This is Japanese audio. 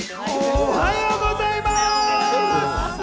おはようございます。